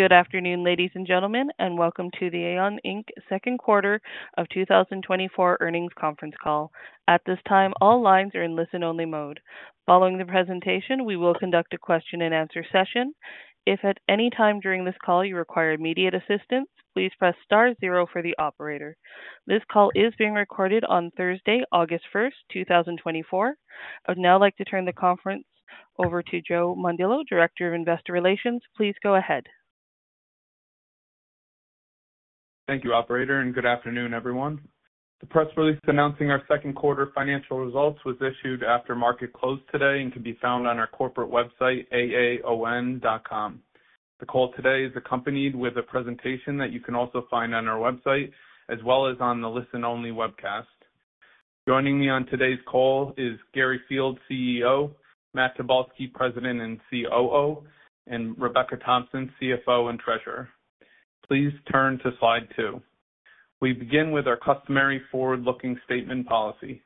Good afternoon, ladies and gentlemen, and welcome to the AAON, Inc. Q2 of 2024 Earnings Conference Call. At this time, all lines are in listen-only mode. Following the presentation, we will conduct a question-and-answer session. If at any time during this call you require immediate assistance, please press star zero for the operator. This call is being recorded on Thursday, August 1st, 2024. I would now like to turn the conference over to Joe Mondillo, Director of Investor Relations. Please go ahead. Thank you, Operator, and good afternoon, everyone. The press release announcing our Q2 financial results was issued after market closed today and can be found on our corporate website, AAON.com. The call today is accompanied with a presentation that you can also find on our website as well as on the listen-only webcast. Joining me on today's call is Gary Fields, CEO; Matt Tobolski, President and COO; and Rebecca Thompson, CFO and Treasurer. Please turn to slide 2. We begin with our customary forward-looking statement policy.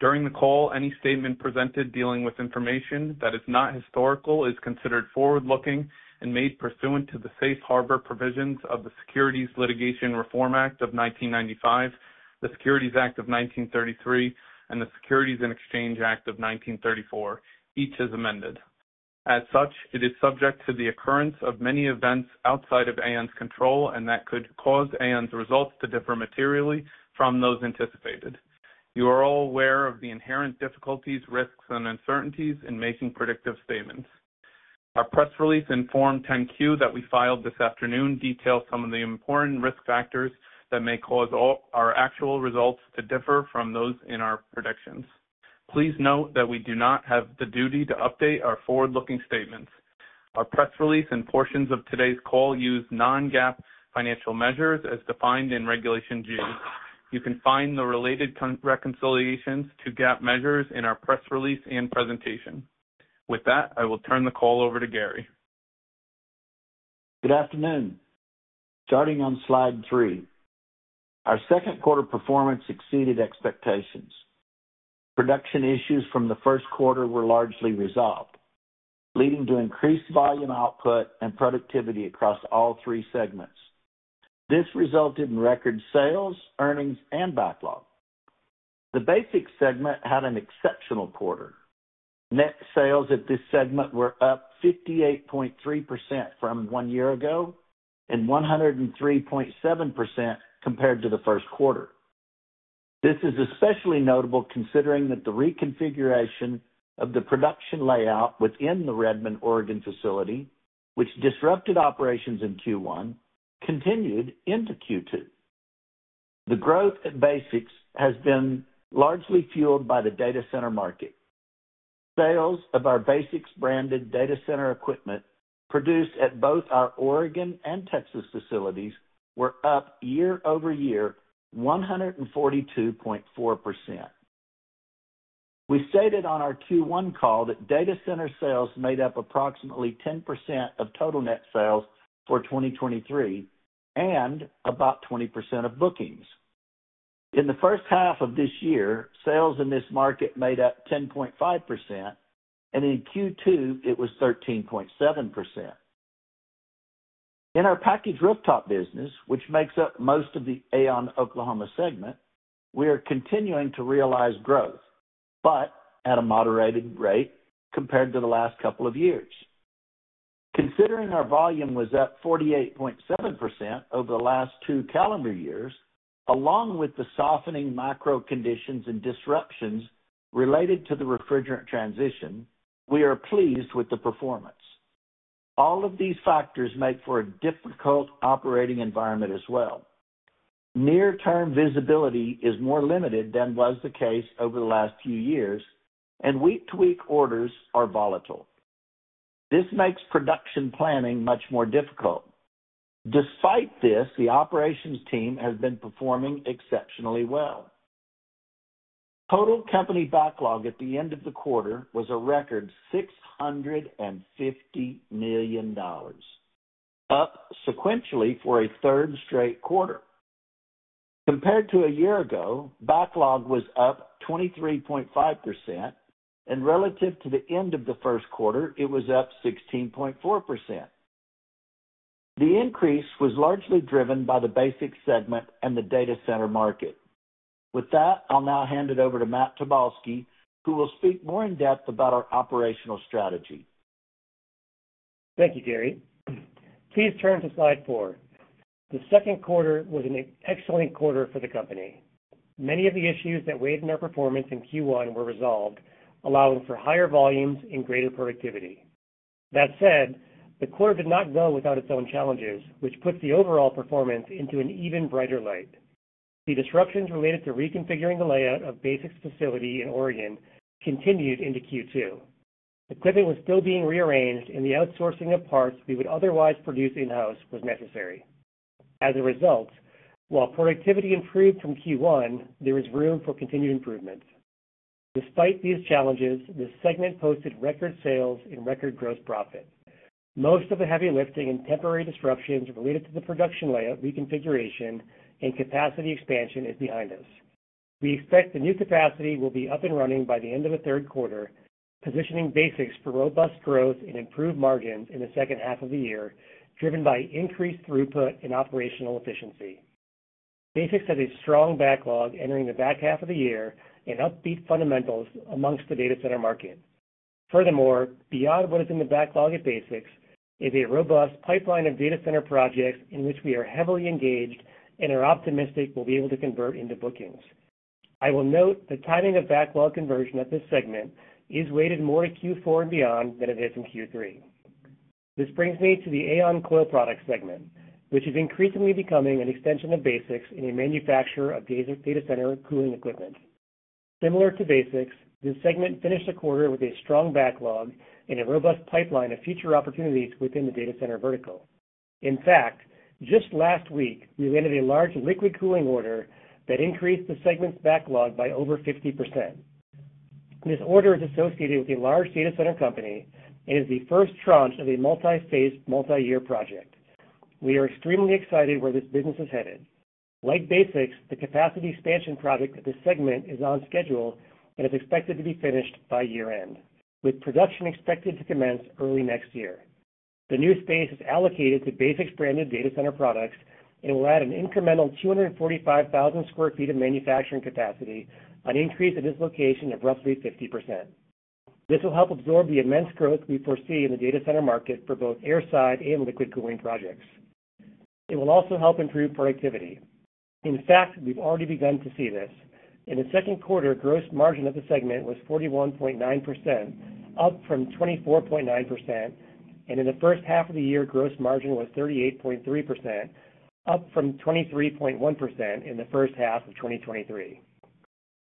During the call, any statement presented dealing with information that is not historical is considered forward-looking and made pursuant to the safe harbor provisions of the Securities Litigation Reform Act of 1995, the Securities Act of 1933, and the Securities and Exchange Act of 1934, each as amended. As such, it is subject to the occurrence of many events outside of AAON's control and that could cause AAON's results to differ materially from those anticipated. You are all aware of the inherent difficulties, risks, and uncertainties in making predictive statements. Our press release in Form 10-Q that we filed this afternoon details some of the important risk factors that may cause our actual results to differ from those in our predictions. Please note that we do not have the duty to update our forward-looking statements. Our press release and portions of today's call use non-GAAP financial measures as defined in Regulation G. You can find the related reconciliations to GAAP measures in our press release and presentation. With that, I will turn the call over to Gary. Good afternoon. Starting on slide three, our Q2 performance exceeded expectations. Production issues from the Q1 were largely resolved, leading to increased volume output and productivity across all three segments. This resulted in record sales, earnings, and backlog. The BASX segment had an exceptional quarter. Net sales at this segment were up 58.3% from one year ago and 103.7% compared to the Q1. This is especially notable considering that the reconfiguration of the production layout within the Redmond, Oregon, facility, which disrupted operations in Q1, continued into Q2. The growth at BASX has been largely fueled by the data center market. Sales of our BASX branded data center equipment produced at both our Oregon and Texas facilities were up year-over-year 142.4%. We stated on our Q1 call that data center sales made up approximately 10% of total net sales for 2023 and about 20% of bookings. In the first half of this year, sales in this market made up 10.5%, and in Q2, it was 13.7%. In our package rooftop business, which makes up most of the AAON Oklahoma segment, we are continuing to realize growth, but at a moderated rate compared to the last couple of years. Considering our volume was up 48.7% over the last two calendar years, along with the softening macro conditions and disruptions related to the refrigerant transition, we are pleased with the performance. All of these factors make for a difficult operating environment as well. Near-term visibility is more limited than was the case over the last few years, and week-to-week orders are volatile. This makes production planning much more difficult. Despite this, the operations team has been performing exceptionally well. Total company backlog at the end of the quarter was a record $650 million, up sequentially for a third straight quarter. Compared to a year ago, backlog was up 23.5%, and relative to the end of the Q1, it was up 16.4%. The increase was largely driven by the BASX segment and the data center market. With that, I'll now hand it over to Matt Tobolski, who will speak more in depth about our operational strategy. Thank you, Gary. Please turn to slide four. The Q2 was an excellent quarter for the company. Many of the issues that weighed in our performance in Q1 were resolved, allowing for higher volumes and greater productivity. That said, the quarter did not go without its own challenges, which put the overall performance into an even brighter light. The disruptions related to reconfiguring the layout of BASX facility in Oregon continued into Q2. Equipment was still being rearranged, and the outsourcing of parts we would otherwise produce in-house was necessary. As a result, while productivity improved from Q1, there was room for continued improvements. Despite these challenges, the segment posted record sales and record gross profit. Most of the heavy lifting and temporary disruptions related to the production layout reconfiguration and capacity expansion is behind us. We expect the new capacity will be up and running by the end of the Q3, positioning Basics for robust growth and improved margins in the second half of the year, driven by increased throughput and operational efficiency. Basics has a strong backlog entering the back half of the year and upbeat fundamentals amongst the data center market. Furthermore, beyond what is in the backlog at Basics is a robust pipeline of data center projects in which we are heavily engaged and are optimistic we'll be able to convert into bookings. I will note the timing of backlog conversion at this segment is weighted more to Q4 and beyond than it is in Q3. This brings me to the AAON Coil Products segment, which is increasingly becoming an extension of Basics in a manufacturer of data center cooling equipment. Similar to Basics, this segment finished the quarter with a strong backlog and a robust pipeline of future opportunities within the data center vertical. In fact, just last week, we landed a large liquid cooling order that increased the segment's backlog by over 50%. This order is associated with a large data center company and is the first tranche of a multi-phase, multi-year project. We are extremely excited where this business is headed. Like Basics, the capacity expansion project at this segment is on schedule and is expected to be finished by year-end, with production expected to commence early next year. The new space is allocated to Basics branded data center products and will add an incremental 245,000 sq ft of manufacturing capacity, an increase of this location of roughly 50%. This will help absorb the immense growth we foresee in the data center market for both airside and liquid cooling projects. It will also help improve productivity. In fact, we've already begun to see this. In the Q2, gross margin of the segment was 41.9%, up from 24.9%, and in the first half of the year, gross margin was 38.3%, up from 23.1% in the first half of 2023.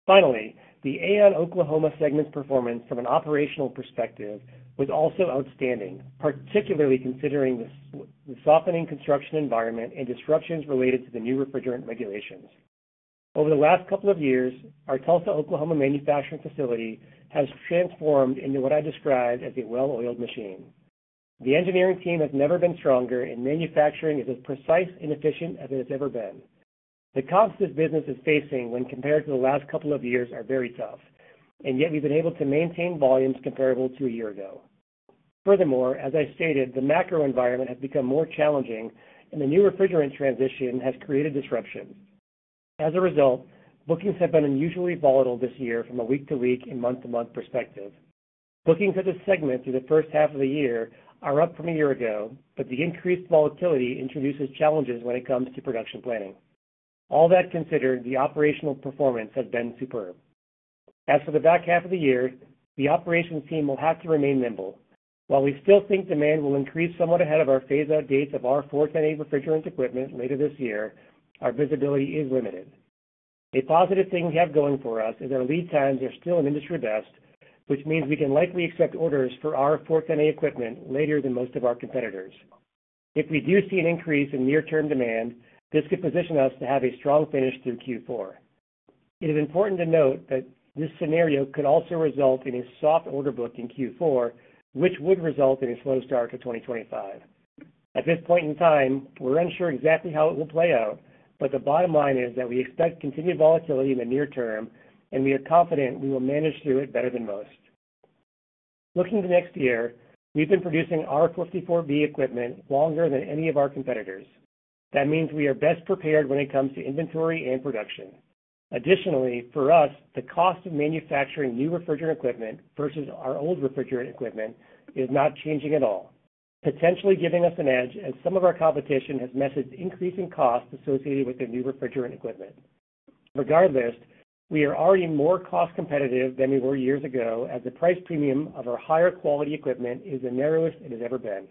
Finally, the AAON Oklahoma segment's performance from an operational perspective was also outstanding, particularly considering the softening construction environment and disruptions related to the new refrigerant regulations. Over the last couple of years, our Tulsa, Oklahoma manufacturing facility has transformed into what I describe as a well-oiled machine. The engineering team has never been stronger, and manufacturing is as precise and efficient as it has ever been. The costs this business is facing when compared to the last couple of years are very tough, and yet we've been able to maintain volumes comparable to a year ago. Furthermore, as I stated, the macro environment has become more challenging, and the new refrigerant transition has created disruptions. As a result, bookings have been unusually volatile this year from a week-to-week and month-to-month perspective. Bookings at this segment through the first half of the year are up from a year ago, but the increased volatility introduces challenges when it comes to production planning. All that considered, the operational performance has been superb. As for the back half of the year, the operations team will have to remain nimble. While we still think demand will increase somewhat ahead of our phase-out dates of R410A refrigerant equipment later this year, our visibility is limited. A positive thing we have going for us is our lead times are still industry-best, which means we can likely accept orders for R410A equipment later than most of our competitors. If we do see an increase in near-term demand, this could position us to have a strong finish through Q4. It is important to note that this scenario could also result in a soft order book in Q4, which would result in a slow start to 2025. At this point in time, we're unsure exactly how it will play out, but the bottom line is that we expect continued volatility in the near term, and we are confident we will manage through it better than most. Looking to next year, we've been producing R454B equipment longer than any of our competitors. That means we are best prepared when it comes to inventory and production. Additionally, for us, the cost of manufacturing new refrigerant equipment versus our old refrigerant equipment is not changing at all, potentially giving us an edge as some of our competition has messaged increasing costs associated with their new refrigerant equipment. Regardless, we are already more cost-competitive than we were years ago as the price premium of our higher-quality equipment is the narrowest it has ever been.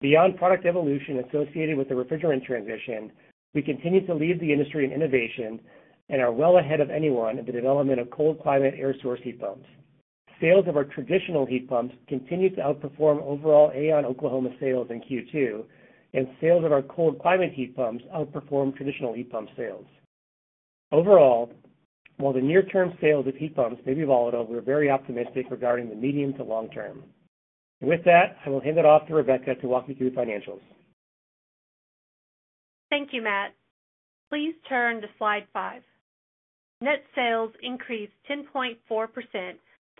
Beyond product evolution associated with the refrigerant transition, we continue to lead the industry in innovation and are well ahead of anyone in the development of cold-climate air source heat pumps. Sales of our traditional heat pumps continue to outperform overall AAON Oklahoma sales in Q2, and sales of our cold-climate heat pumps outperform traditional heat pump sales. Overall, while the near-term sales of heat pumps may be volatile, we're very optimistic regarding the medium to long term. With that, I will hand it off to Rebecca to walk you through financials. Thank you, Matt. Please turn to slide 5. Net sales increased 10.4%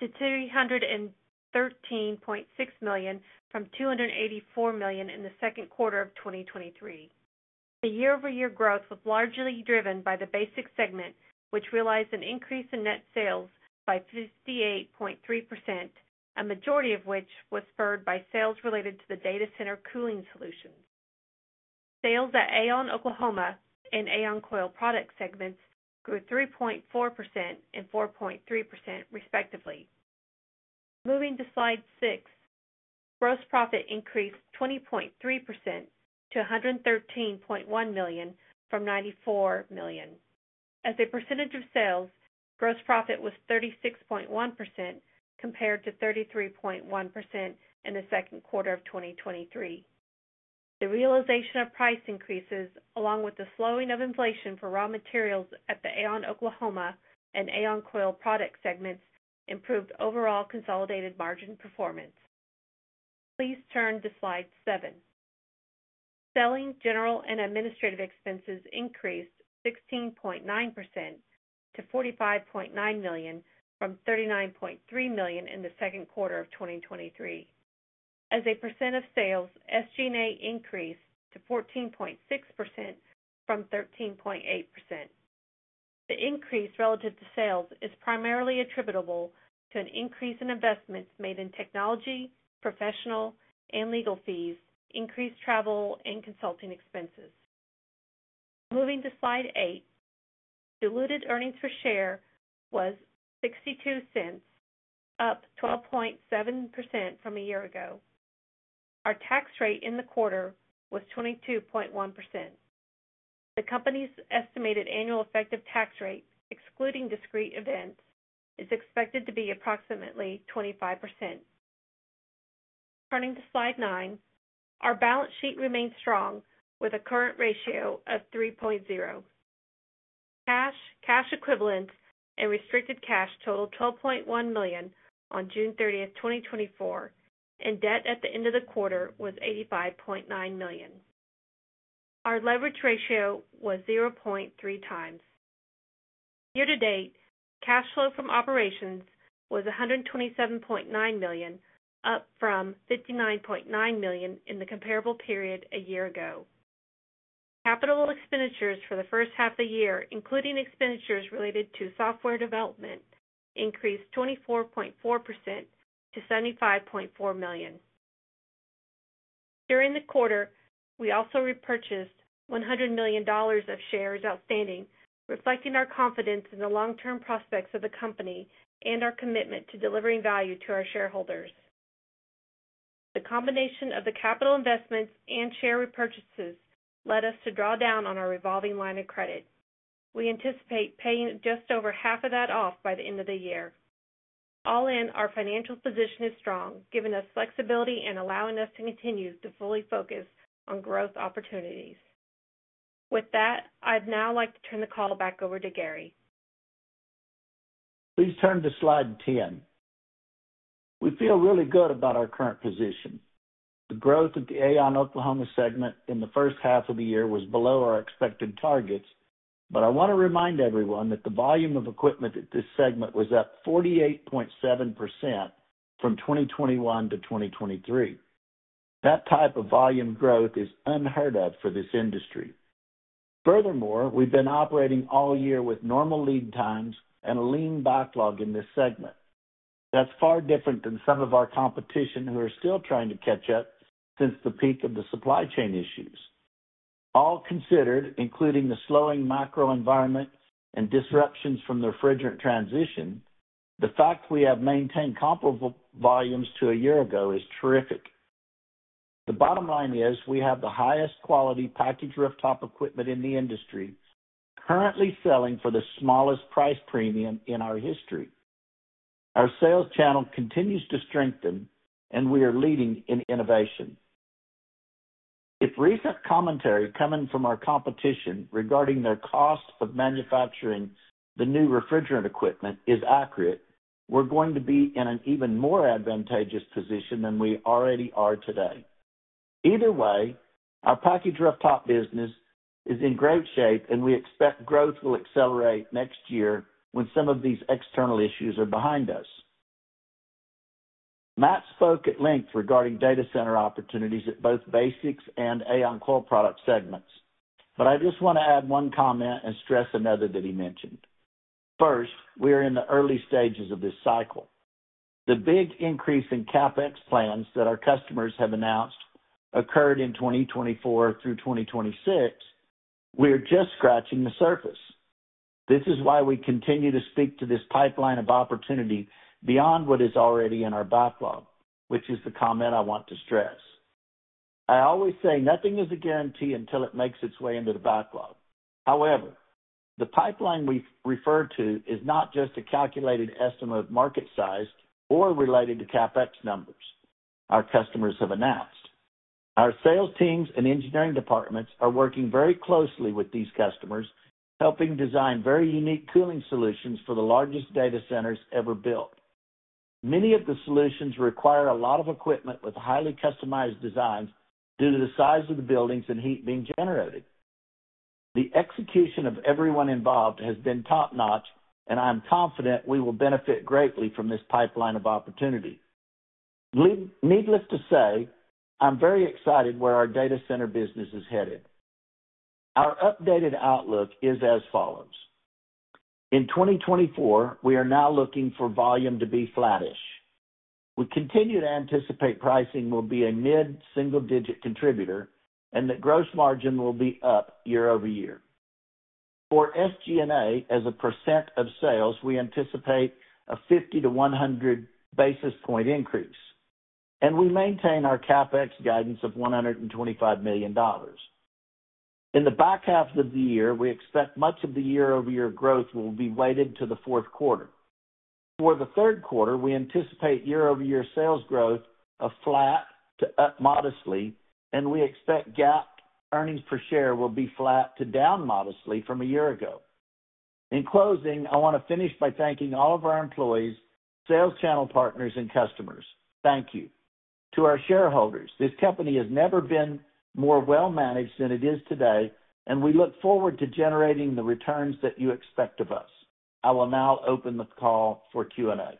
to $313.6 million from $284 million in the Q2 of 2023. The year-over-year growth was largely driven by the BASX segment, which realized an increase in net sales by 58.3%, a majority of which was spurred by sales related to the data center cooling solutions. Sales at AAON Oklahoma and AAON Coil Products segments grew 3.4% and 4.3%, respectively. Moving to slide 6, gross profit increased 20.3% to $113.1 million from $94 million. As a percentage of sales, gross profit was 36.1% compared to 33.1% in the Q2 of 2023. The realization of price increases, along with the slowing of inflation for raw materials at the AAON Oklahoma and AAON Coil Products segments, improved overall consolidated margin performance. Please turn to slide 7. Selling, general, and administrative expenses increased 16.9% to $45.9 million from $39.3 million in the Q2 of 2023. As a percent of sales, SG&A increased to 14.6% from 13.8%. The increase relative to sales is primarily attributable to an increase in investments made in technology, professional, and legal fees, increased travel and consulting expenses. Moving to Slide 8, diluted earnings per share was $0.62, up 12.7% from a year ago. Our tax rate in the quarter was 22.1%. The company's estimated annual effective tax rate, excluding discrete events, is expected to be approximately 25%. Turning to Slide 9, our balance sheet remained strong with a current ratio of 3.0. Cash, cash equivalent, and restricted cash totaled $12.1 million on June 30th, 2024, and debt at the end of the quarter was $85.9 million. Our leverage ratio was 0.3 times. Year-to-date, cash flow from operations was $127.9 million, up from $59.9 million in the comparable period a year ago. Capital expenditures for the first half of the year, including expenditures related to software development, increased 24.4% to $75.4 million. During the quarter, we also repurchased $100 million of shares outstanding, reflecting our confidence in the long-term prospects of the company and our commitment to delivering value to our shareholders. The combination of the capital investments and share repurchases led us to draw down on our revolving line of credit. We anticipate paying just over half of that off by the end of the year. All in, our financial position is strong, giving us flexibility and allowing us to continue to fully focus on growth opportunities. With that, I'd now like to turn the call back over to Gary. Please turn to slide 10. We feel really good about our current position. The growth of the AAON Oklahoma segment in the first half of the year was below our expected targets, but I want to remind everyone that the volume of equipment at this segment was up 48.7% from 2021 to 2023. That type of volume growth is unheard of for this industry. Furthermore, we've been operating all year with normal lead times and a lean backlog in this segment. That's far different than some of our competition who are still trying to catch up since the peak of the supply chain issues. All considered, including the slowing macro environment and disruptions from the refrigerant transition, the fact we have maintained comparable volumes to a year ago is terrific. The bottom line is we have the highest quality package rooftop equipment in the industry, currently selling for the smallest price premium in our history. Our sales channel continues to strengthen, and we are leading in innovation. If recent commentary coming from our competition regarding their cost of manufacturing the new refrigerant equipment is accurate, we're going to be in an even more advantageous position than we already are today. Either way, our package rooftop business is in great shape, and we expect growth will accelerate next year when some of these external issues are behind us. Matt spoke at length regarding data center opportunities at both BASX and AAON Coil Products segments, but I just want to add one comment and stress another that he mentioned. First, we are in the early stages of this cycle. The big increase in CapEx plans that our customers have announced occurred in 2024 through 2026. We are just scratching the surface. This is why we continue to speak to this pipeline of opportunity beyond what is already in our backlog, which is the comment I want to stress. I always say nothing is a guarantee until it makes its way into the backlog. However, the pipeline we refer to is not just a calculated estimate of market size or related to CapEx numbers our customers have announced. Our sales teams and engineering departments are working very closely with these customers, helping design very unique cooling solutions for the largest data centers ever built. Many of the solutions require a lot of equipment with highly customized designs due to the size of the buildings and heat being generated. The execution of everyone involved has been top-notch, and I'm confident we will benefit greatly from this pipeline of opportunity. Needless to say, I'm very excited where our data center business is headed. Our updated outlook is as follows. In 2024, we are now looking for volume to be flattish. We continue to anticipate pricing will be a mid-single-digit contributor and that gross margin will be up year-over-year. For SG&A, as a percent of sales, we anticipate a 50-100 basis points increase, and we maintain our CapEx guidance of $125 million. In the back half of the year, we expect much of the year-over-year growth will be weighted to the Q4. For the Q3, we anticipate year-over-year sales growth of flat to up modestly, and we expect GAAP earnings per share will be flat to down modestly from a year ago. In closing, I want to finish by thanking all of our employees, sales channel partners, and customers. Thank you. To our shareholders, this company has never been more well-managed than it is today, and we look forward to generating the returns that you expect of us. I will now open the call for Q&A.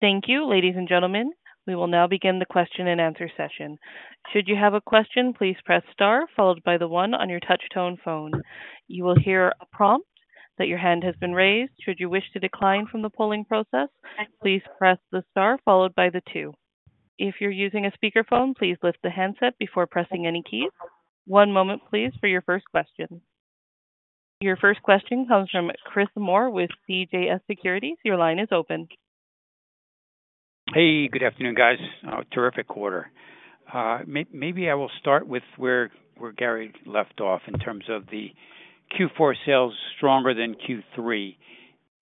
Thank you, ladies and gentlemen. We will now begin the question and answer session. Should you have a question, please press star, followed by the one on your touch-tone phone. You will hear a prompt that your hand has been raised. Should you wish to decline from the polling process, please press the star, followed by the two. If you're using a speakerphone, please lift the handset before pressing any keys. One moment, please, for your first question. Your first question comes from Chris Moore with CJS Securities. Your line is open. Hey, good afternoon, guys. Terrific quarter. Maybe I will start with where Gary left off in terms of the Q4 sales stronger than Q3.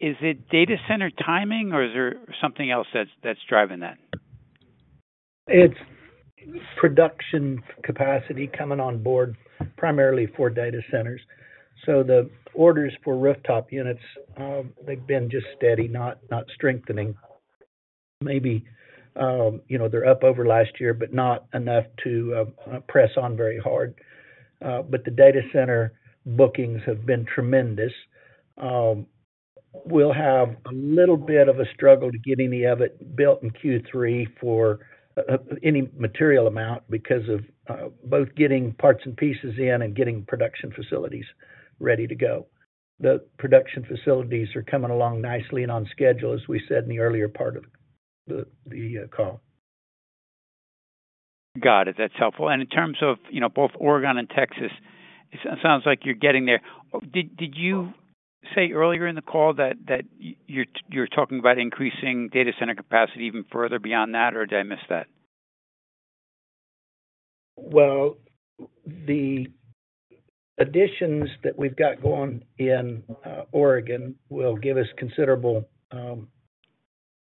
Is it data center timing, or is there something else that's driving that? It's production capacity coming on board primarily for data centers. So the orders for rooftop units, they've been just steady, not strengthening. Maybe they're up over last year, but not enough to press on very hard. But the data center bookings have been tremendous. We'll have a little bit of a struggle to get any of it built in Q3 for any material amount because of both getting parts and pieces in and getting production facilities ready to go. The production facilities are coming along nicely and on schedule, as we said in the earlier part of the call. Got it. That's helpful. In terms of both Oregon and Texas, it sounds like you're getting there. Did you say earlier in the call that you're talking about increasing data center capacity even further beyond that, or did I miss that? Well, the additions that we've got going in Oregon will give us considerable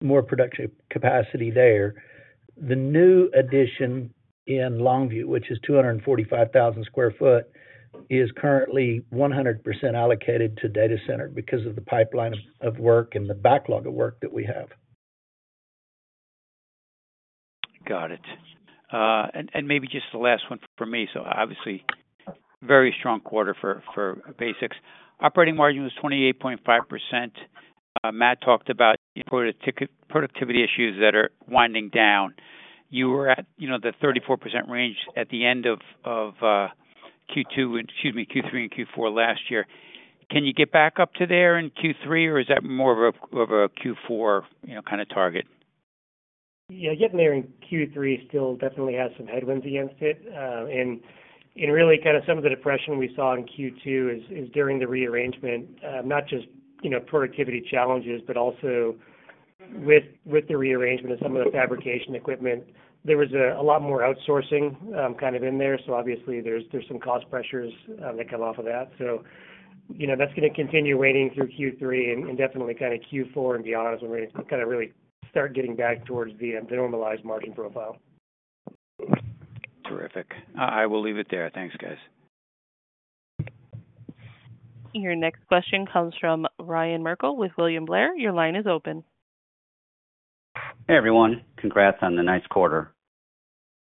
more production capacity there. The new addition in Longview, which is 245,000 sq ft, is currently 100% allocated to data center because of the pipeline of work and the backlog of work that we have. Got it. And maybe just the last one for me. So obviously, very strong quarter for Basics. Operating margin was 28.5%. Matt talked about productivity issues that are winding down. You were at the 34% range at the end of Q2, excuse me, Q3 and Q4 last year. Can you get back up to there in Q3, or is that more of a Q4 kind of target? Yeah, getting there in Q3 still definitely has some headwinds against it. And really kind of some of the depression we saw in Q2 is during the rearrangement, not just productivity challenges, but also with the rearrangement of some of the fabrication equipment. There was a lot more outsourcing kind of in there. So obviously, there's some cost pressures that come off of that. So that's going to continue waning through Q3 and definitely kind of Q4 and beyond as we're going to kind of really start getting back towards the normalized margin profile. Terrific. I will leave it there. Thanks, guys. Your next question comes from Ryan Merkel with William Blair. Your line is open. Hey, everyone. Congrats on the nice quarter.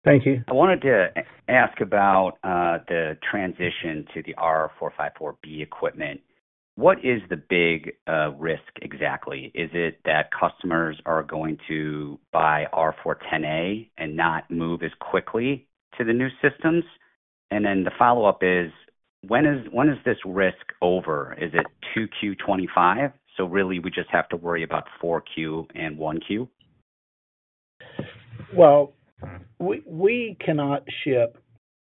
Thank you. I wanted to ask about the transition to the R454B equipment. What is the big risk exactly? Is it that customers are going to buy R410A and not move as quickly to the new systems? And then the follow-up is, when is this risk over? Is it 2Q25? So really, we just have to worry about 4Q and 1Q? Well, we cannot ship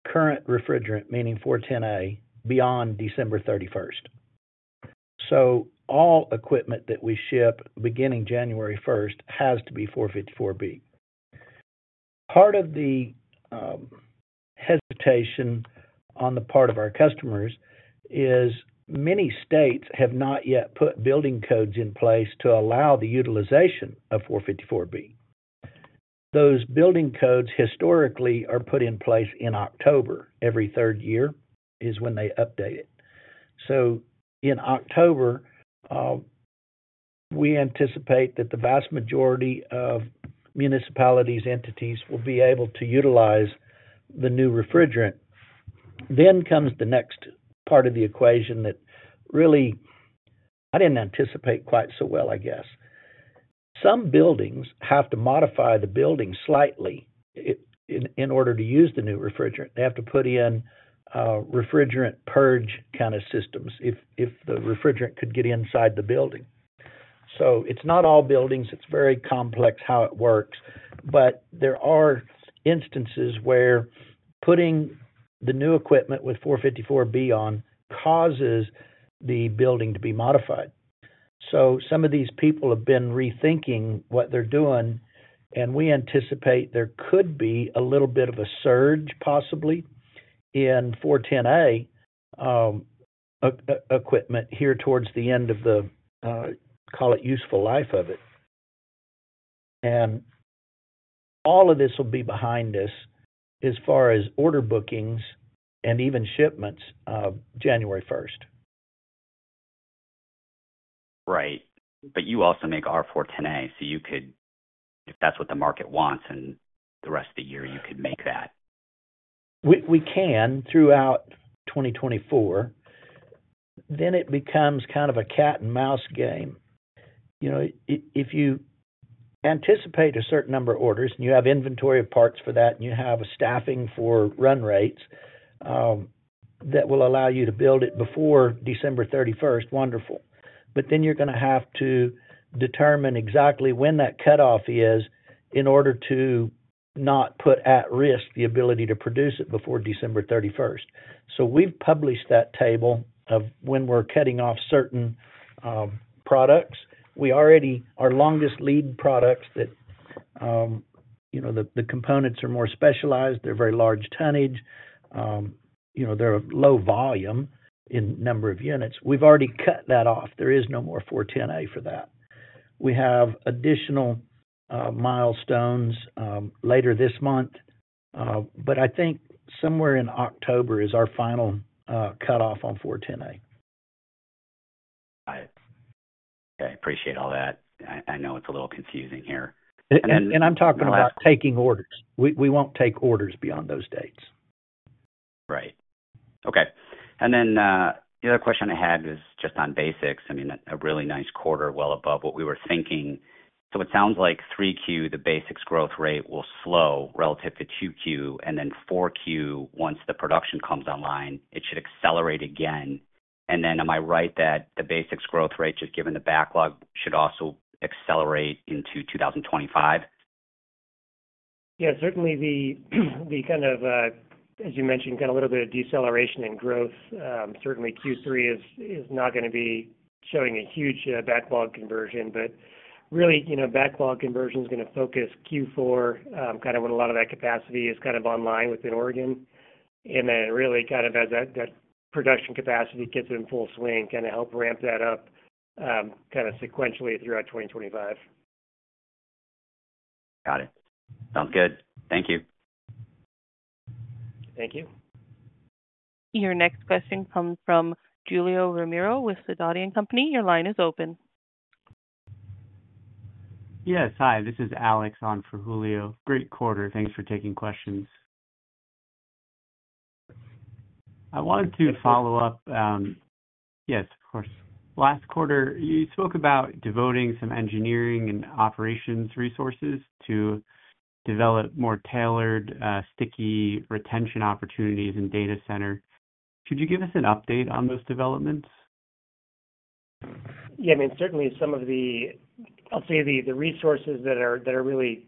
current refrigerant, meaning 410A, beyond December 31st. So all equipment that we ship beginning January 1st has to be 454B. Part of the hesitation on the part of our customers is many states have not yet put building codes in place to allow the utilization of 454B. Those building codes historically are put in place in October every third year is when they update it. So in October, we anticipate that the vast majority of municipalities' entities will be able to utilize the new refrigerant. Then comes the next part of the equation that really I didn't anticipate quite so well, I guess. Some buildings have to modify the building slightly in order to use the new refrigerant. They have to put in refrigerant purge kind of systems if the refrigerant could get inside the building. So it's not all buildings. It's very complex how it works. But there are instances where putting the new equipment with R454B on causes the building to be modified. So some of these people have been rethinking what they're doing, and we anticipate there could be a little bit of a surge possibly in R410A equipment here towards the end of the, call it, useful life of it. And all of this will be behind us as far as order bookings and even shipments of January 1st. Right. But you also make R410A, so you could, if that's what the market wants in the rest of the year, you could make that. We can throughout 2024. Then it becomes kind of a cat-and-mouse game. If you anticipate a certain number of orders and you have inventory of parts for that and you have a staffing for run rates that will allow you to build it before December 31st, wonderful. But then you're going to have to determine exactly when that cutoff is in order to not put at risk the ability to produce it before December 31st. So we've published that table of when we're cutting off certain products. Our longest lead products that the components are more specialized, they're very large tonnage, they're low volume in number of units. We've already cut that off. There is no more R410A for that. We have additional milestones later this month, but I think somewhere in October is our final cutoff on R410A. Got it. Okay. Appreciate all that. I know it's a little confusing here. I'm talking about taking orders. We won't take orders beyond those dates. Right. Okay. And then the other question I had was just on Basics. I mean, a really nice quarter well above what we were thinking. So it sounds like 3Q, the Basics growth rate will slow relative to 2Q, and then 4Q, once the production comes online, it should accelerate again. And then am I right that the Basics growth rate, just given the backlog, should also accelerate into 2025? Yeah, certainly the kind of, as you mentioned, kind of a little bit of deceleration in growth. Certainly, Q3 is not going to be showing a huge backlog conversion, but really backlog conversion is going to focus Q4, kind of when a lot of that capacity is kind of online within Oregon. And then really kind of as that production capacity gets in full swing, kind of help ramp that up kind of sequentially throughout 2025. Got it. Sounds good. Thank you. Thank you. Your next question comes from Julio Romero with Sidoti & Company. Your line is open. Yes. Hi. This is Alex on for Julio. Great quarter. Thanks for taking questions. I wanted to follow up. Yes, of course. Last quarter, you spoke about devoting some engineering and operations resources to develop more tailored, sticky retention opportunities in data center. Could you give us an update on those developments? Yeah. I mean, certainly some of the, I'll say the resources that are really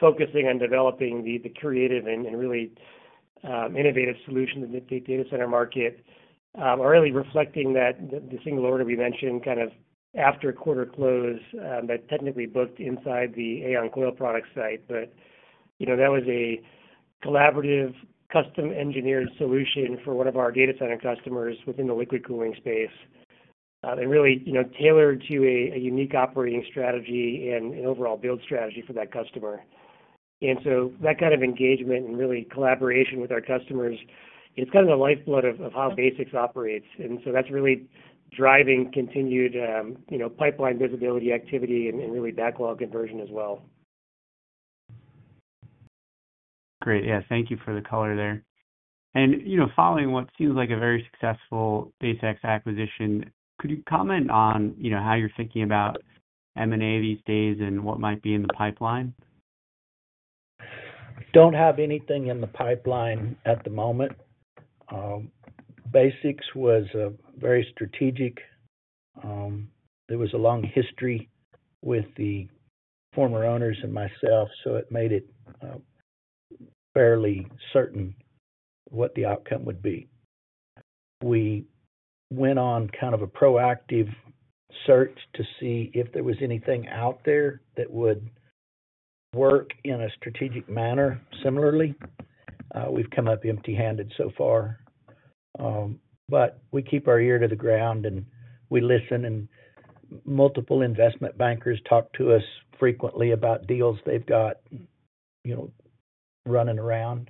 focusing on developing the creative and really innovative solutions in the data center market are really reflecting that the single order we mentioned kind of after quarter close that technically booked inside the AAON Coil Products site. But that was a collaborative custom-engineered solution for one of our data center customers within the liquid cooling space and really tailored to a unique operating strategy and overall build strategy for that customer. And so that kind of engagement and really collaboration with our customers, it's kind of the lifeblood of how BASX operates. And so that's really driving continued pipeline visibility, activity, and really backlog conversion as well. Great. Yeah. Thank you for the color there. And following what seems like a very successful Basics acquisition, could you comment on how you're thinking about M&A these days and what might be in the pipeline? Don't have anything in the pipeline at the moment. BASX was very strategic. There was a long history with the former owners and myself, so it made it fairly certain what the outcome would be. We went on kind of a proactive search to see if there was anything out there that would work in a strategic manner similarly. We've come up empty-handed so far, but we keep our ear to the ground and we listen. And multiple investment bankers talk to us frequently about deals they've got running around,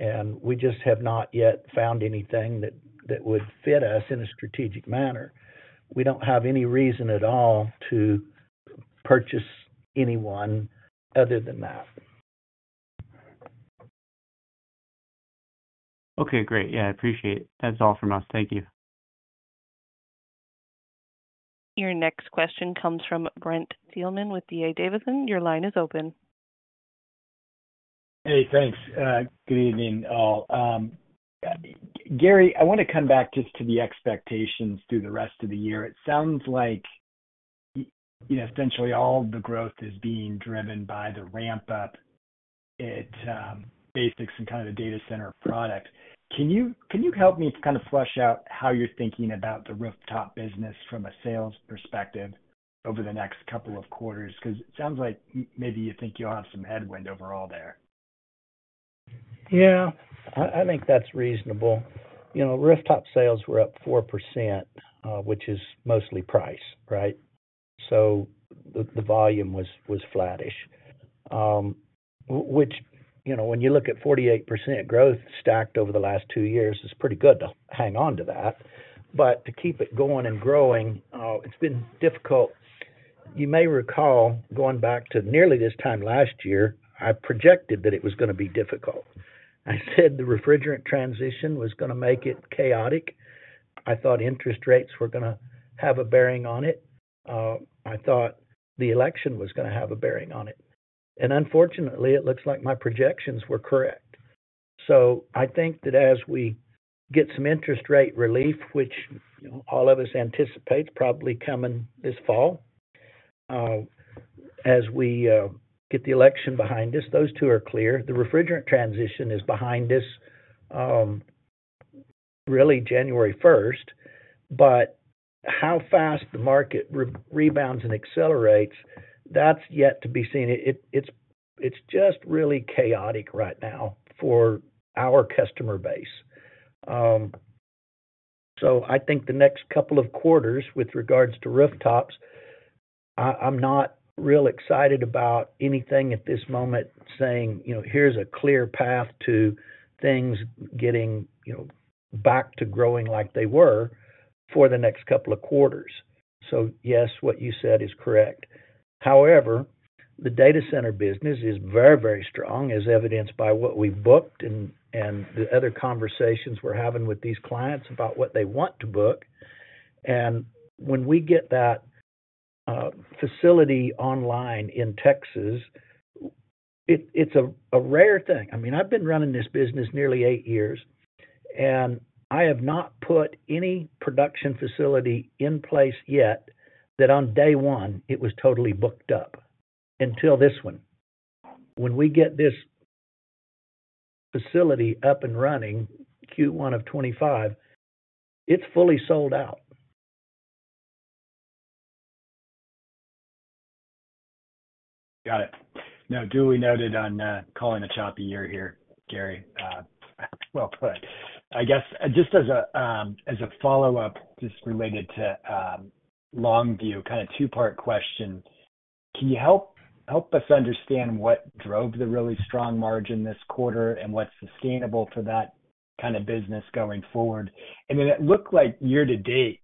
and we just have not yet found anything that would fit us in a strategic manner. We don't have any reason at all to purchase anyone other than that. Okay. Great. Yeah. I appreciate it. That's all from us. Thank you. Your next question comes from Brent Thielman with D.A. Davidson. Your line is open. Hey, thanks. Good evening, all. Gary, I want to come back just to the expectations through the rest of the year. It sounds like essentially all the growth is being driven by the ramp-up at Basics and kind of the data center product. Can you help me kind of flesh out how you're thinking about the rooftop business from a sales perspective over the next couple of quarters? Because it sounds like maybe you think you'll have some headwind overall there. Yeah. I think that's reasonable. Rooftop sales were up 4%, which is mostly price, right? So the volume was flattish, which when you look at 48% growth stacked over the last 2 years, it's pretty good to hang on to that. But to keep it going and growing, it's been difficult. You may recall going back to nearly this time last year, I projected that it was going to be difficult. I said the refrigerant transition was going to make it chaotic. I thought interest rates were going to have a bearing on it. I thought the election was going to have a bearing on it. And unfortunately, it looks like my projections were correct. So I think that as we get some interest rate relief, which all of us anticipate probably coming this fall, as we get the election behind us, those two are clear. The refrigerant transition is behind us, really, January 1st. But how fast the market rebounds and accelerates, that's yet to be seen. It's just really chaotic right now for our customer base. So I think the next couple of quarters with regards to rooftops, I'm not real excited about anything at this moment saying, "Here's a clear path to things getting back to growing like they were for the next couple of quarters." So yes, what you said is correct . However, the data center business is very, very strong, as evidenced by what we booked and the other conversations we're having with these clients about what they want to book. And when we get that facility online in Texas, it's a rare thing. I mean, I've been running this business nearly eight years, and I have not put any production facility in place yet that on day one, it was totally booked up until this one. When we get this facility up and running, Q1 of 2025, it's fully sold out. Got it. Now, Julio noted on calling a choppy year here, Gary. Well, good. I guess just as a follow-up, just related to Longview, kind of two-part question, can you help us understand what drove the really strong margin this quarter and what's sustainable for that kind of business going forward? And then it looked like year to date,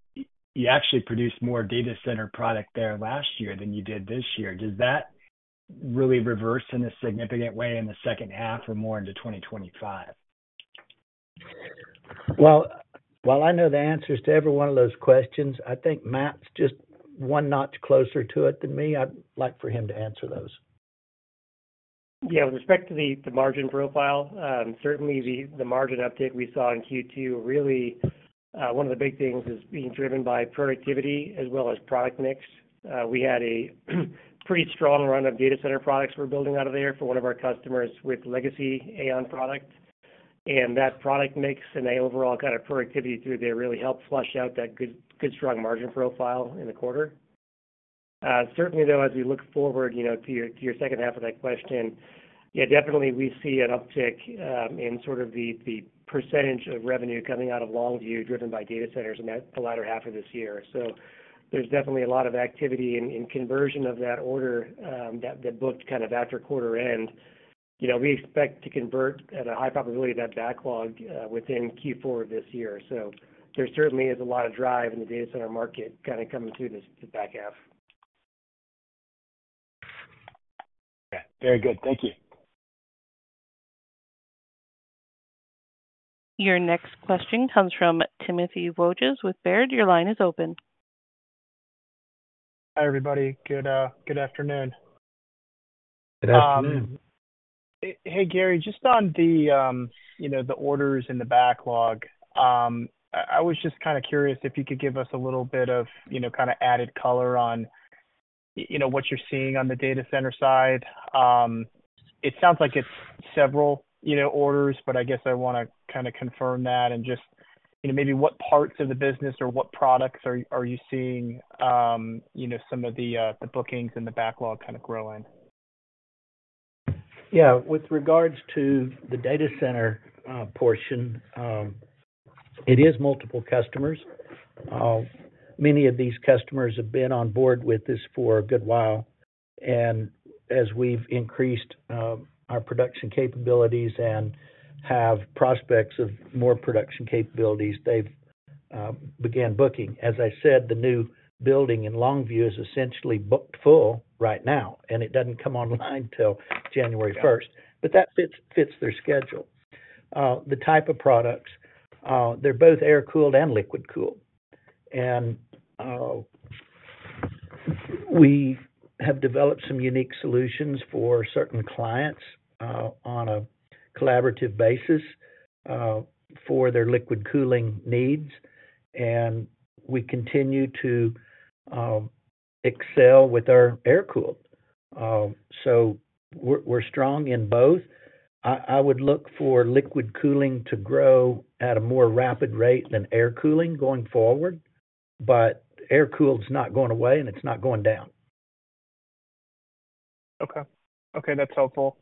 you actually produced more data center product there last year than you did this year. Does that really reverse in a significant way in the second half or more into 2025? Well, while I know the answers to every one of those questions, I think Matt's just one notch closer to it than me. I'd like for him to answer those. Yeah. With respect to the margin profile, certainly the margin uptick we saw in Q2, really one of the big things is being driven by productivity as well as product mix. We had a pretty strong run of data center products we're building out of there for one of our customers with legacy AAON product. And that product mix and the overall kind of productivity through there really helped flush out that good, strong margin profile in the quarter. Certainly, though, as we look forward to your second half of that question, yeah, definitely we see an uptick in sort of the percentage of revenue coming out of Longview driven by data centers in the latter half of this year. So there's definitely a lot of activity in conversion of that order that booked kind of after quarter end. We expect to convert at a high probability of that backlog within Q4 of this year. So there certainly is a lot of drive in the data center market kind of coming through the back half. Okay. Very good. Thank you. Your next question comes from Timothy Wojs with Baird. Your line is open. Hi, everybody. Good afternoon. Good afternoon. Hey, Gary. Just on the orders and the backlog, I was just kind of curious if you could give us a little bit of kind of added color on what you're seeing on the data center side. It sounds like it's several orders, but I guess I want to kind of confirm that and just maybe what parts of the business or what products are you seeing some of the bookings and the backlog kind of growing? Yeah. With regards to the data center portion, it is multiple customers. Many of these customers have been on board with this for a good while. And as we've increased our production capabilities and have prospects of more production capabilities, they've began booking. As I said, the new building in Longview is essentially booked full right now, and it doesn't come online till January 1st, but that fits their schedule. The type of products, they're both air-cooled and liquid-cooled. And we have developed some unique solutions for certain clients on a collaborative basis for their liquid cooling needs. And we continue to excel with our air-cooled. So we're strong in both. I would look for liquid cooling to grow at a more rapid rate than air-cooling going forward, but air-cooled is not going away, and it's not going down. Okay. Okay. That's helpful.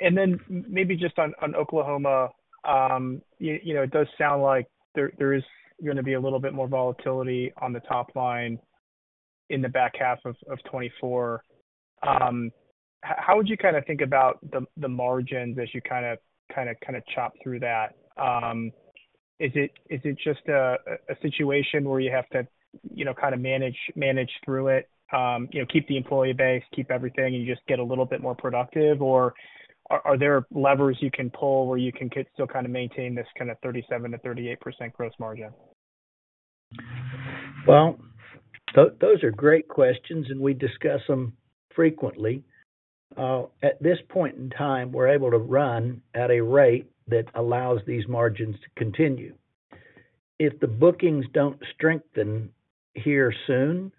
And then maybe just on Oklahoma, it does sound like there is going to be a little bit more volatility on the top line in the back half of 2024. How would you kind of think about the margins as you kind of chop through that? Is it just a situation where you have to kind of manage through it, keep the employee base, keep everything, and you just get a little bit more productive? Or are there levers you can pull where you can still kind of maintain this kind of 37%-38% gross margin? Well, those are great questions, and we discuss them frequently. At this point in time, we're able to run at a rate that allows these margins to continue. If the bookings don't strengthen here soon,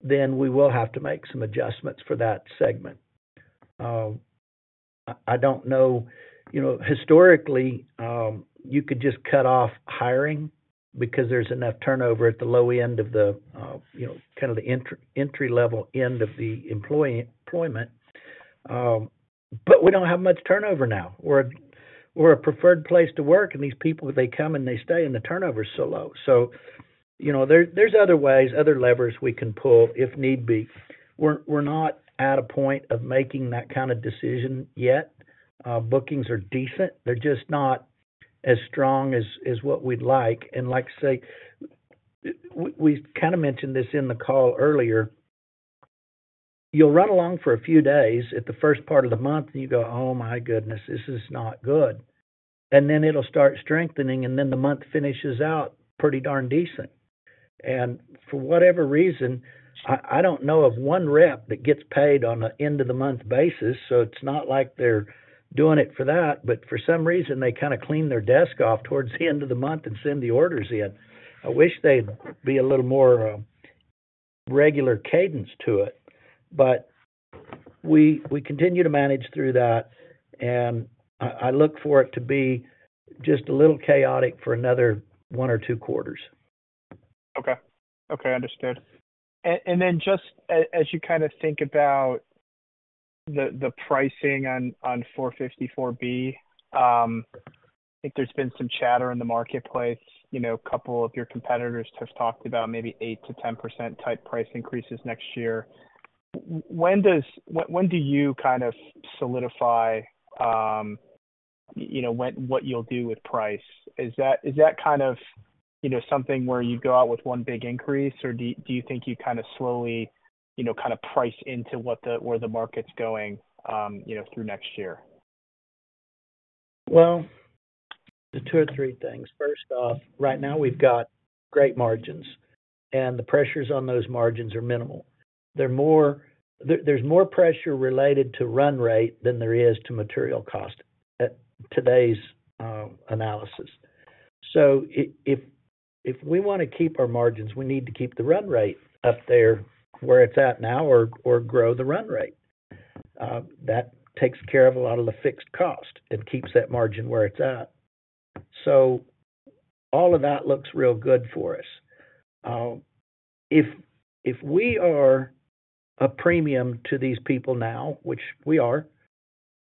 then we will have to make some adjustments for that segment. I don't know. Historically, you could just cut off hiring because there's enough turnover at the low end of the kind of the entry-level end of the employment. But we don't have much turnover now. We're a preferred place to work, and these people, they come and they stay, and the turnover is so low. So there's other ways, other levers we can pull if need be. We're not at a point of making that kind of decision yet. Bookings are decent. They're just not as strong as what we'd like. And like I say, we kind of mentioned this in the call earlier. You'll run along for a few days at the first part of the month, and you go, "Oh, my goodness, this is not good." And then it'll start strengthening, and then the month finishes out pretty darn decent. And for whatever reason, I don't know of one rep that gets paid on an end-of-the-month basis. So it's not like they're doing it for that, but for some reason, they kind of clean their desk off towards the end of the month and send the orders in. I wish there'd be a little more regular cadence to it, but we continue to manage through that. And I look for it to be just a little chaotic for another one or two quarters. Okay. Okay. Understood. And then just as you kind of think about the pricing on 454B, I think there's been some chatter in the marketplace. A couple of your competitors have talked about maybe 8%-10% type price increases next year. When do you kind of solidify what you'll do with price? Is that kind of something where you go out with one big increase, or do you think you kind of slowly kind of price into where the market's going through next year? Well, two or three things. First off, right now, we've got great margins, and the pressures on those margins are minimal. There's more pressure related to run rate than there is to material cost, today's analysis. So if we want to keep our margins, we need to keep the run rate up there where it's at now or grow the run rate. That takes care of a lot of the fixed cost and keeps that margin where it's at. So all of that looks real good for us. If we are a premium to these people now, which we are,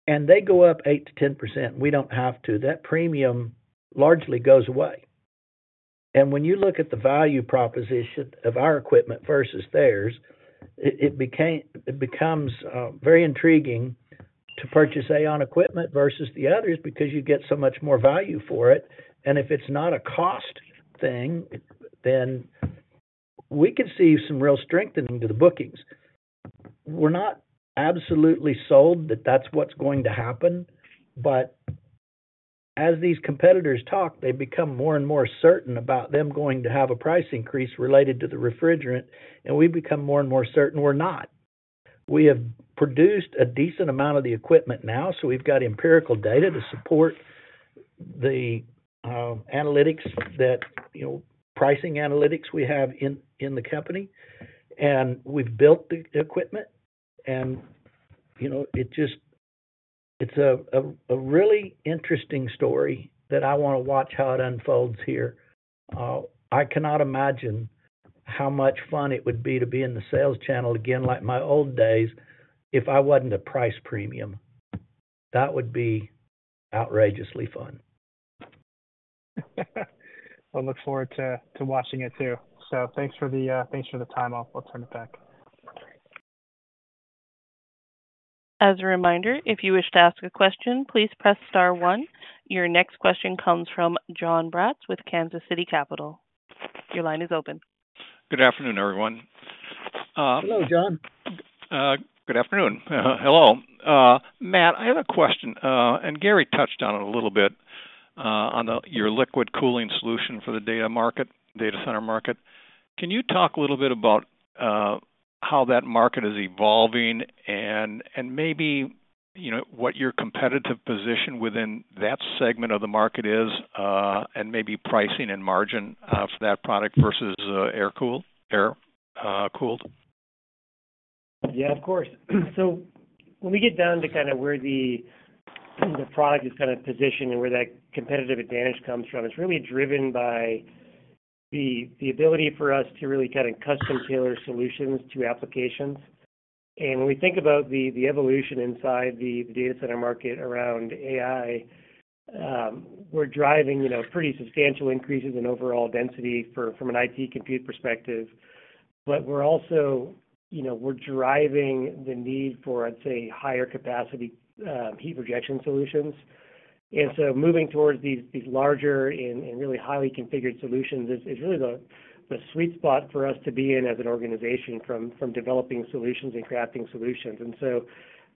and they go up 8%-10%, we don't have to, that premium largely goes away. And when you look at the value proposition of our equipment versus theirs, it becomes very intriguing to purchase AAON equipment versus the others because you get so much more value for it. And if it's not a cost thing, then we could see some real strengthening to the bookings. We're not absolutely sold that that's what's going to happen. But as these competitors talk, they become more and more certain about them going to have a price increase related to the refrigerant, and we become more and more certain we're not. We have produced a decent amount of the equipment now, so we've got empirical data to support the analytics, that pricing analytics we have in the company. And we've built the equipment. And it's a really interesting story that I want to watch how it unfolds here. I cannot imagine how much fun it would be to be in the sales channel again like my old days if I wasn't a price premium. That would be outrageously fun. I look forward to watching it too. So thanks for the time off. I'll turn it back. As a reminder, if you wish to ask a question, please press star one. Your next question comes from John Braatz with Kansas City Capital. Your line is open. Good afternoon, everyone. Hello, John. Good afternoon. Hello. Matt, I have a question. Gary touched on it a little bit on your liquid cooling solution for the data market, data center market. Can you talk a little bit about how that market is evolving and maybe what your competitive position within that segment of the market is and maybe pricing and margin for that product versus air-cooled? Yeah, of course. So when we get down to kind of where the product is kind of positioned and where that competitive advantage comes from, it's really driven by the ability for us to really kind of custom tailor solutions to applications. And when we think about the evolution inside the data center market around AI, we're driving pretty substantial increases in overall density from an IT compute perspective. But we're also driving the need for, I'd say, higher capacity heat rejection solutions. And so moving towards these larger and really highly configured solutions is really the sweet spot for us to be in as an organization from developing solutions and crafting solutions. And so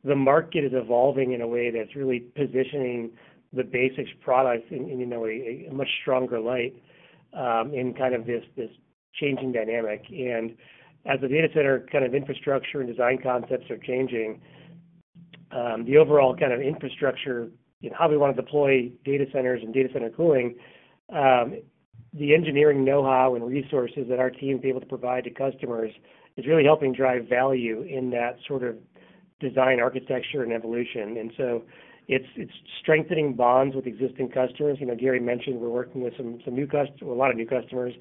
the market is evolving in a way that's really positioning the BASX products in a much stronger light in kind of this changing dynamic. And as the data center kind of infrastructure and design concepts are changing, the overall kind of infrastructure and how we want to deploy data centers and data center cooling, the engineering know-how and resources that our team is able to provide to customers is really helping drive value in that sort of design architecture and evolution. And so it's strengthening bonds with existing customers. Gary mentioned we're working with a lot of new customers,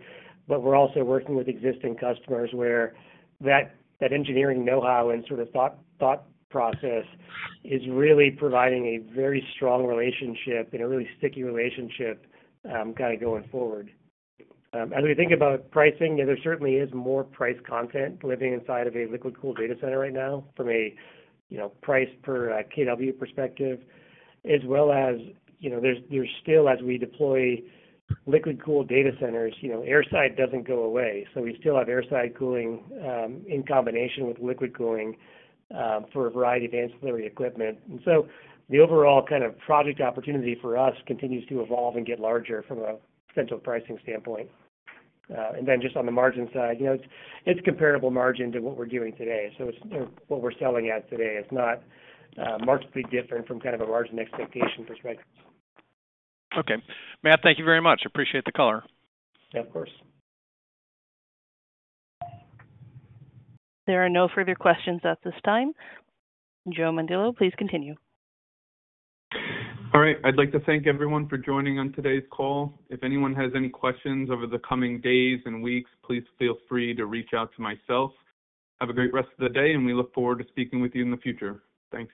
but we're also working with existing customers where that engineering know-how and sort of thought process is really providing a very strong relationship and a really sticky relationship kind of going forward. As we think about pricing, there certainly is more price content living inside of a liquid-cooled data center right now from a price per kW perspective, as well as there's still, as we deploy liquid-cooled data centers, air side doesn't go away. So we still have air-side cooling in combination with liquid cooling for a variety of ancillary equipment. The overall kind of project opportunity for us continues to evolve and get larger from a central pricing standpoint. Then just on the margin side, it's comparable margin to what we're doing today. It's what we're selling at today. It's not markedly different from kind of a margin expectation perspective. Okay. Matt, thank you very much. Appreciate the color. Yeah, of course. There are no further questions at this time. Joe Mondillo, please continue. All right. I'd like to thank everyone for joining on today's call. If anyone has any questions over the coming days and weeks, please feel free to reach out to myself. Have a great rest of the day, and we look forward to speaking with you in the future. Thanks.